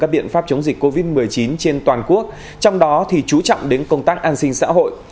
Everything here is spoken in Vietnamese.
các biện pháp chống dịch covid một mươi chín trên toàn quốc trong đó chú trọng đến công tác an sinh xã hội